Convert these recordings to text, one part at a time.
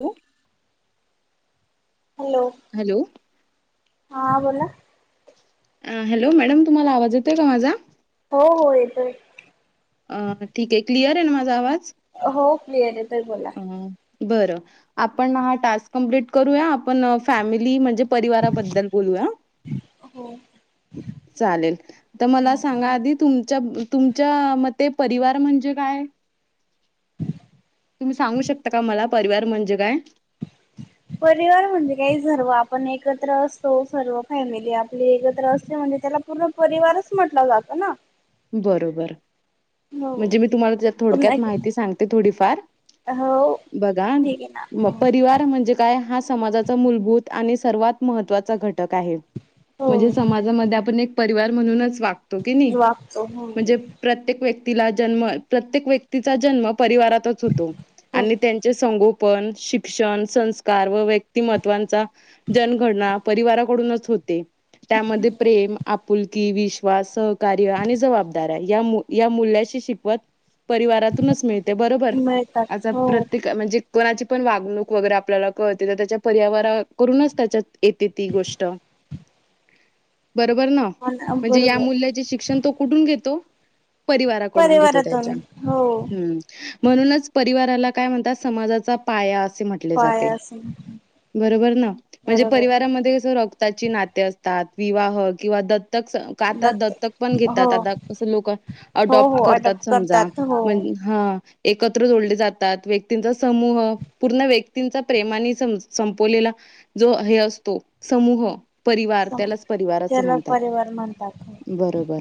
हो. Hello hello. हा बोला. हॅलो मॅडम तुम्हाला आवाज येत का माझा. हो हो येतय. अ ठीक आहे, क्लिअर आहे, ना माझा आवाज. हो क्लिअर येत ह बर आपण ह टास्क कमप्ट करूया आपण फॅमिली म्हणजे. परिवाराबद्दल बोलूया. हो चालेल तर मला सांगा आधी तुम तुमच्या मते परिवार म्हणजे काय. [unintelligible] तुम्ही सांगू शकता का मला परिवार म्हणजे काय. परिवार म्हणजे काही सर्व आपण एकत्र असतो सर्व फॅमिली आपली एकत्र असली म्हणजे त्यात. आपला पूर्ण परिवारच म्हटलं जात ना. बरोबर हो म्हणजे मी तुम्हाला त्यात पुन्हा थोडक्यात एक माहिती सांगते थोडीफार. हो बघा ठीक आहे ना म हो परिवार म्हणजे काय हा समाजाचा मूलभूत. आणि सर्वात महत्त्वाचा घटक आहे, म्हणजे हो समाजामध्ये आपण एक परिवार म्हणूनच. वागतो की नाही. हो हो. म्हणजे प्रत्येक व्यक्तीला जन्म प्रत्येक व्यक्तीचा जन्म परिवारातच होतो, हो आणि त्यांचे संगो पण शिक्षण संस्कार व व्यक्तिमत्वांचा जनगणना परिवाराकडूनच होते. त्यामध्ये प्रेम आपुलकी विश्वास सहकार्य आणि. द मूल्याची शिकवत. परिवारातूनच मिळते बरोबर मिळतात आता हो प्रत्येक म्हणजे कोणाची. ण वागणूक वगैरे आपल्याला कळते तर त्याच्या परिवारा कडूनच त्याच्यात येते ती गोष्ट. बरोबर ना पण म्हणजे या बरोबर मूल्याचे शिक्षण तो कुठून घेतो. परिवाराकडून घेतो परिवारातून त्याच्या हो हू म्हणूनच परिवार काय म्हणतात समाजाचा पाया अस म्हटले पाय जाते असून बर म्हणजे बरोबर परिवारामध्ये रक्ताची नाती. विवाह किंवा दत्तक काात लागते दत्तक पण घेत हो क [unintelligible] लोक हो ऍडॉप्ट हो करतात अडप्ट समजा हो एकत्र जोडले जातात व्यक्तींचा समूह पूर्ण व्यक्तींचा प्रेमाने सं संपवलेला एक. जो हे असतो समूह. परिवार सम त्यालाच परिवार असे त्याला म्हणतात परिवार म्हणतात बरोबर.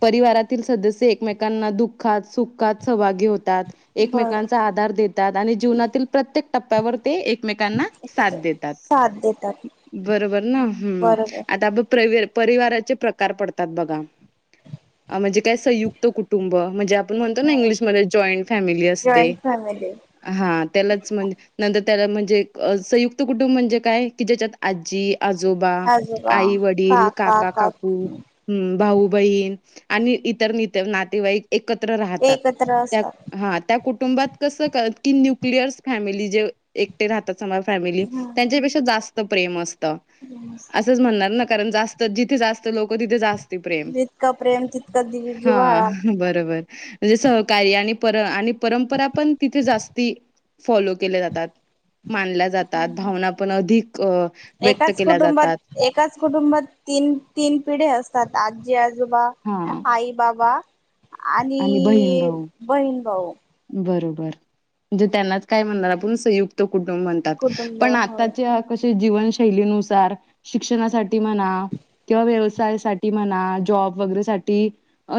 परिवारातील सदस्य एकमेकांना दुःखात सुखात सहभागी. होतात बर एकमेकांचा आधार देतात आणि जीवनातील प्रत्येक टप्प्यावर ते एकमेकांना. साथ देतात साथ देतात बरोबर ना हू बरोबर आपण परिवी परिवाराचे प्रकार पडतात बघा. म्हणजे काय संयुक्त कुटुंब म्हणजे आपण म्हणतो ना इंग्लिशमध्ये जॉईंट फॅमिली असते. जॉईंट फॅमिली हा त्यालाच म्हण नंतर. त्याला म्हणजे संयुक्त कुटुंब म्हणजे काय की ज्याच्यात आजी आजोबा आजोबा आई वडील काका काकू भाऊ बहीण आणि इतर न नातेवाईक एकत्र राहतात एकत्र असतात ह त्या कुटुंबात कुटुंबात कस कर की न्यूक्लिअर्स फॅमिली जे एकटे राहत. फॅमि हम्म त्यांच्यापेक्षा जास्त प्रेम असत अस म्हण. कारण जास्त जिथे जास्त लोकं तिथे जास्त प्रेम जितकं प्रेम तितकं हा जिव्हाळा बरोबर म्हणजे सहकार्या आणि परंपरा पण तिथे जास्त फॉलो के जातात. मानल्या जातात भावना पण अधिक अ, व्यक्त एकाच केल्या कुटुंबात जातात. एकाच कुटुंबात तीन तीन पिढी असतात आजजी आजोबा हां आजोबा आई बाबा आणि बहीण भाऊ. णे त्यांना काय म्हण आपण संयुक्त कुटुंब म्हणतात कुटुंब पण हो आताच्या कशी जीवनशैलीनुसार शिक्षणासाठी म्हणा. किंवा व्यवसाय साठी म्हणा जॉब वगैरे सा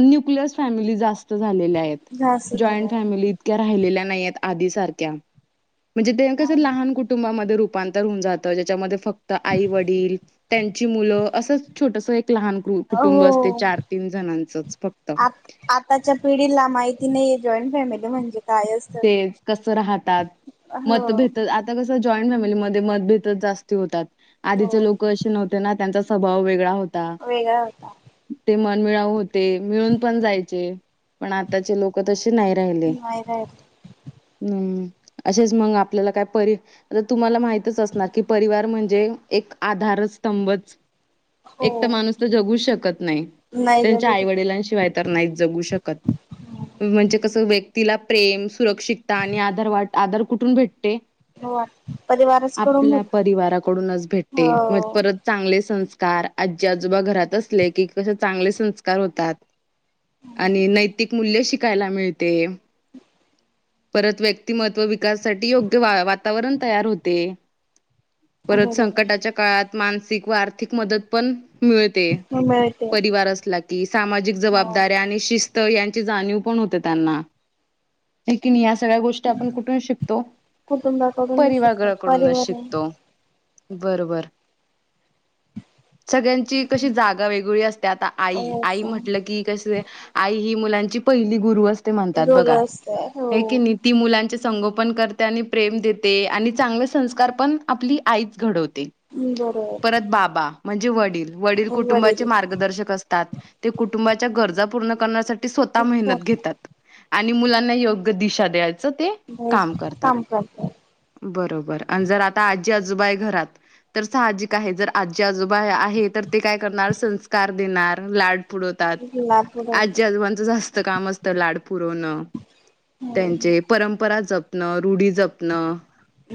न्युक्लिअस फॅमिली जास् झालेल्या आहेत जास्त जॉईंट झालं फॅमिली इतक्या राहिल्या नाही आहेत आधी सारख्या म्हणजे ते कचं लहान कुटुंबामध्ये रुपांतर होऊन जातं ज्याच्यामध्ये फक्त आई वडील त्यांची मुलं असंच छोटस एक. लहान कुटुंब असते हो चार तीन जणांचच फक्त च्या पिढीला माहिती नाहीये जॉईंट फॅमिली म्हणजे काय असतं. ते कस राहतात हो मतभेद आता कस. ज फमली मत जा होतात हो आधीचे लोक असे नव्हते ना त्यांचा स्वभव वेगळा हो. वेगळा होता. मिळा होते मिळून पण जायचे पण आताचे लोक तसे नाही राहिले. नाही राहिला. हम्म. असेच मग आपल्याला काय पर तुम्हाला माहितच असणार की परिवार म्हणजे एक आधार ंभच एक तर हो माणूस तर जगू शकत नाही. नाही त्यांच्या जगू आई शकत वडलांशिवाय तर नाही जगू शकत म्हणजे कस व्यक्तीला प्रेम सुरक्षितता आणि आधार वाट आधार कुठून भेटते. हो परिवारच कडून आपल्या भेटतो. परिवाराकडूनच भेटते म हो परत चांगले सं कार आजी आजोबा घरात असले की कसे चांगले संस्कार होतात. आणि नैतिक मूल्य शिकायला मिळते. परत व्यक्तिमत्त्व विकासासाठी योग्य वातावरण तयार होते. परत बरोबर संकटाच्या काळात मानसिक व आर्थिक मदत पण मिळते मिळते परिवारला की सामाजिक हो. जबाबदाऱ्या आणि शिस्त यां ण हो त्यां सगळ्या गोष्टी आपण कुठून शिकतो कुटुंबाकडूनच शिकतो परिवारगराकडूनच परिवार शिकतो. आहे बरोबर. सगळ्यांची कशी जागा वेगवेगळी असते आता आई आई म्हटलं की कस आई. ही मुलांची पहिली गुरु असते म्हणतात रोल बघा? असते हो. मुलांचसंगोपन करते आणि प्रेम देते आणि चांगले संस्कार पण आपली आईच घडवते. बरोबर परत बाबा म्हणजे वडील कुटुंबाचे वडील मार्गदर्शक असतात ते कुंटुंबाच्या गरजा पूर्ण करण्यासाठी. स्वतः मेहनत घेतात आणि मुलांना योग्य दिशा द्या. त्यांच ते काम करतात बरोबर. रआणि जर आता आजी आजोबा आहे घरात. तर साहजिक आहे जर आजी आजोबा आहे तर ते काय करणार संस्कार देणार लाड पुरवतात लातूर होते आजी आजोबांचं जास्त काम असतं लाड पुरवणं. हो त्यांचे परंपरा जपणं रूढी जपणं.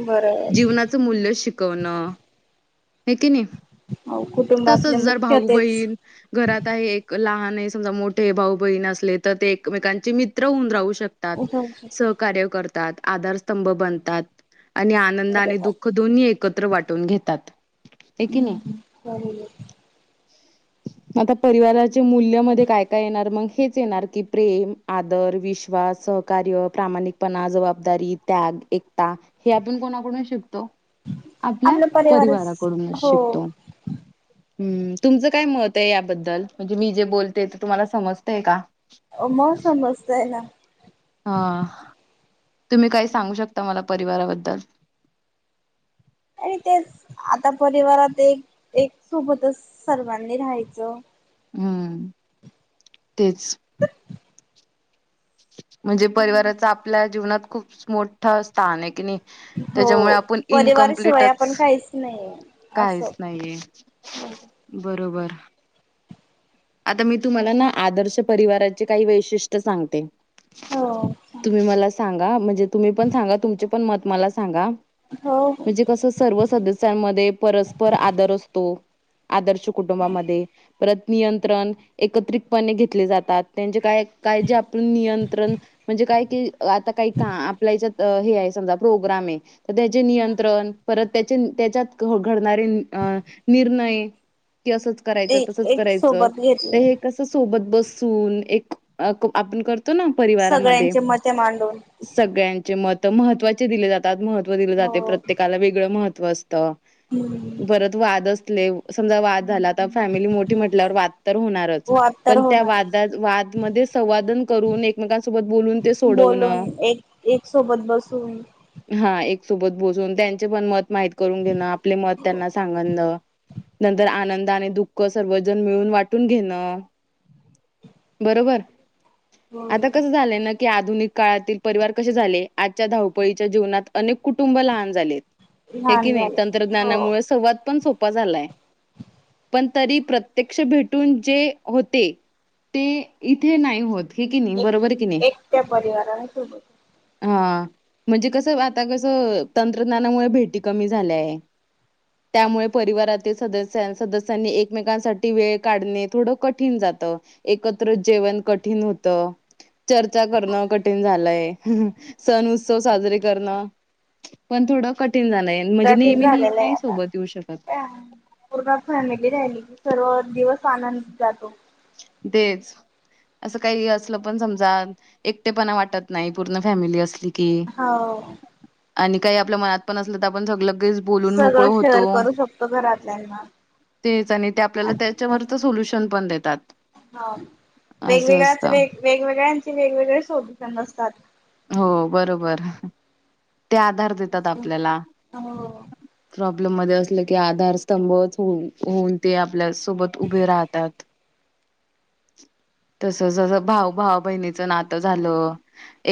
बरोबर. जीवनाचं मूल्य शिकवणं हे की नाही. हो तसच कुटुंबातले जर मुख्य भाऊ तेच बहीण घरात आहे एक लहान समजा मोठे भाऊ बहीण असले तर ते एकमेकांचे मित्र होऊन राहू शकत. जाऊ शकतो. सहकार्य करतात आधारस्तंभ बनतात. आणि आनंद आणि बरोबर. दुःख दोन्ही एकत्र वाटून घेतात की नाही. हो [unintelligible] आता परिवाराच्या मूल्यामध्ये काय काय येणार मग हेच येणार की प्रेम आदर विश्वास- सहकार्य प्रामाणिकपणा जबाबदारी त्याग एकता हे आपण कोणाकडून शिकतो आपल्या आपलं परिवारच परिवाराकडूनच हो शिकतो. हम्म तुमचं काय मत आहे याबद्दल म्हणजे मी जे बोलते ते तुम्हाला समजतय का? मौसम मस्त आहे ना? हा तुम्ही काय सांगू शकता मला परिवाराबद्दल. आणि तेच आता परिवारात एक- एक सोबतच सर्वांनी राहायचं. हम्म तेच म्हणजे परिवाराचा आपल्या जीवनात खूप मोठं स्थान आहे कीनी हो त्याच्यामुळे आपण परिवाराशिवाय इनकमप्लीटच आपण काहीच नाही असं. काहीच नाहीये. बरं. बरोबर आता मी तुम्हाला ना आदर्श परिवाराचे काही वैशिष्ट्य सांगते? तुम्ही हो मला सांगा म्हणजे तुम्ही पण सांगा तुमचे पण मत मला सांगा? हो म्हणजे कस सर्व सदस्यांमध्ये परस्पर आदर असतो. आदर्श कुटुंबामध्ये परत नियंत्रण एकत्रितपणे घेतले जातात त्यांचे काय? काय जे आपण नियंत्रण म्हणजे काय कि आता काही का आपल्या हच्यात हे. प्रोग्रॅम आहे त्याचे नियंत्रण परत त्यांचे त्याच्यात घडणारे. तीर नाही अस कराय एक तच एक करायच सोबत घेतलं. कस सोबत बस- एक आपण कर- करतो ना परिवारामध्ये सगळ्यांचे मते मांडून सगळ्यांचे मत- महत्त्वाचे दिले जातात महत्व दिले जाते हो प्रत्येकाला वेगळं महत्व असं- हम्म परत वाद असले समजा वाद झाला तर फॅमिली मोठी म्हटल्यावर वाद होणारच वाद तर पण त्या होणारच. वा म संवादन करून एकमेकसोबत बोलून ते सोडव- बोलून एक एक सोबत बसून. हा एक सोबत बसून त्यांचे पण मत माहीत करून घेणं आपले मत त्यांना सांगन. नंतर आनंद आणि दुःख सर्वजण मिळून वाटण. घेण बरोबर आता कस झालं कनी आत आधुनिक काळातील परिवार कसे झाले आजच्या धावपळीच्या जीवनात अनेक कुटुंब लहान झाले. हे की लहान नाही झालं हो तंत्रज्ञानामुळे संवाद पण सोपा झालाय पण तरी प्रत्यक्ष भेटून जे होते ते इथे नाही होत हि कि नाही एक बरोबर कि नाही एकट्या परिवाराने सोबत हा म्हणजे कसं आता कसं तंत्रज्ञानामुळे भेटी कमी झाल्याय त्यामुळे परिवारातील सस सदस्यांनी एकमेकांसाठी वेळ काढ थोड कठीण जात एकत्र जेवण कठीण होत चर्चा करणं कठीण झालंय सण उत्सव साजरे करणं पण थोड क कध झालेलं आहे आता येऊ शकत का पूर्ण फॅमिली राहिली सर्व दिवस आनंद जातो तेज असं काही असलं पण समजा एकटेपणा वाटत नाही पूर्ण फॅमिली असली की हो आणि काही आपल्या मनात पण असल तर आपण सगळ काही सगळं शेअर करू शकतो घरातल्यांना. तेच आणि ते आपल्याला त्याच्यावरच सोल्युशन पण देतात. ह असं वेगवेगळ्याच असतं वेग वेगवेगळ्यांचे वेगवेगळे शोधूषण असतात. हो बरोबर! ते आधार देतात आपल्याला. हो मध्ये असलं की आधारस्तंभ होऊन ते आपल्या सोबत उभे राहतात. तस भाऊ भाव बहिणीचं नातं झालं.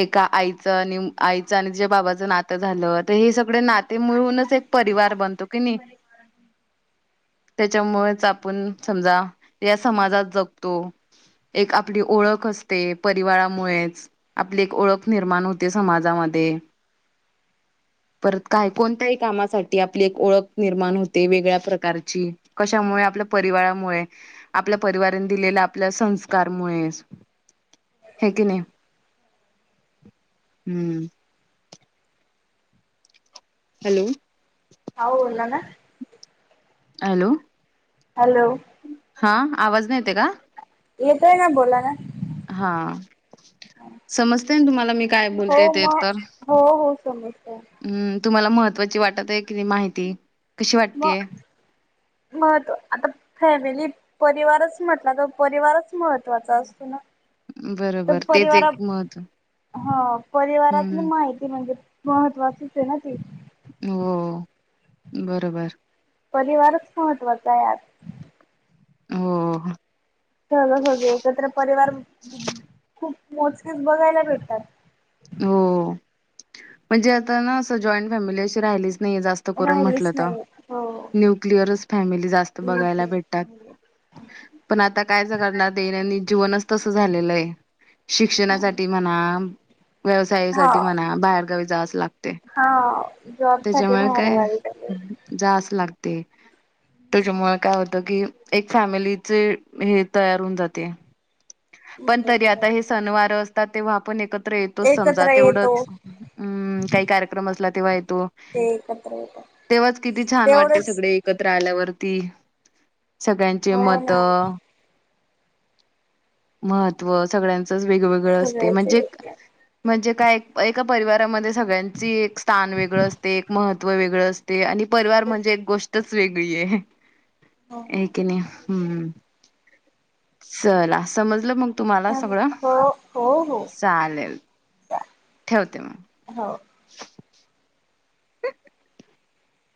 एका आईचं आणि आईचं आणि जे बाबाचं नातं झालं तर हे सगळे नातेमुळेळूनच एक परी वार बनतो. की नाही [inaudible] त्याच्यामुळेच आपण समजा या समाजात जगतो. एक आपली ओळख असते परिवारामुळेच! आपली एक ओळख निर्माण होते समाजामध्ये, परत काय कोणत्याही कामासाठी आपली एक ओळख निर्माण होते वेगळ्या प्रकारची कशामुळे आपल्या परिवारामुळे आपल्या परिवार दिलेल्या आपल्या संस्कारमुळे हे की नाय. हम्म हॅलो! हा बोला ना. हॅलो! हॅलो! हा आवाज नाही येते का? येतय ना बोला ना. हा समजते ना तुम्हाला मी काय बोलते ते तर? समजतंय. हम्म तुम्हाला महत्त्वाची वाटत आहे किती माहिती? कशी मग वाटतेय महत्व आता फॅमिली परिवारच म्हटला तर परिवारच महत्त्वाचा असतो ना? तर बरोबर तेच परिवारा एक महत्व हा परिवारातली हम्म माहिती म्हणजे महत्वाचीच आहे ना ती. हो बरोबर. परिवारच महत्त्वाचा आज! हो. सहजासहजी एकत्र परिवार खूप मोजकेच बघायला भेटतात. हो म्हणजे आता ना अस जॉईंट फॅमिली अशी राहिलीच नाही जास्त करून राहिलीच म्हटलं तर नाही हो न्यूक्लिअरच फॅमिली जास्त बघायला भेटतात. पण आता कायच जणांना दैनंदिन जीवनच तसं झालेलं आहे. शिक्षणासाठी म्हणा, हा व्यवसायासाठी म्हणा, बाहेरगावी जावचं लागतय. हा जॉब साठी त्याच्यामुळे बाहेर काय, गावी गेले जाच लाग ते, त्याच्यामुळे काय होतं की एक फॅमिलीची, हे तयार होऊन जाते. पण तरी आता हे सण वार असतात तेव्हा आपण एकत्र येतोय समजा एकत्र येतो तेवढंच, म काही कार्यक्रम असला तेव्हा येतो ते एकत्र येतात तेव्हाच किती छान वाटते तेवढंच सगळे एकत्र आल्यावर ती. सगळ्यांचे हो ना मतं महत्त्व सगळ्यांच वेगवेगळं असते सगळ्याचे म्हणजे, म्हणजे काय एका परिवारामध्ये सगळ्यांची एक स्थान वेगळं असते, एक महत्त्व वेगळं अस, ते, आणि परिवार म्हणजे एक गोष्टच वेगळी आय, ह, हो हे की नाही? हम्, चला समजलं मग तुम्हाला सगळं? हो हो हो चालेल! ठेवते मग. हो